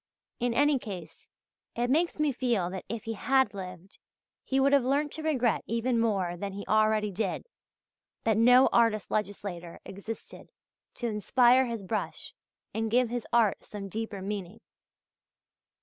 In any case it makes me feel that if he had lived, he would have learnt to regret even more than he already did, that no artist legislator existed to inspire his brush and give his art some deeper meaning.